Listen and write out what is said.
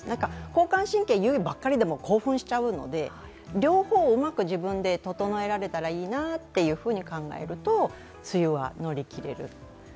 交感神経ばっかりでも興奮しちゃうので両方をうまく自分で整えられたらいいなと思ったら梅雨は乗り切れる。